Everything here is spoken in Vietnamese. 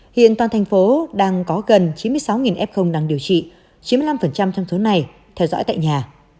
hiện toàn thành phố đang có gần chín mươi sáu f đang điều trị chiếm năm trong số này theo dõi tại nhà